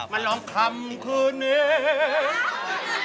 มันร้องคำคือเนี่ย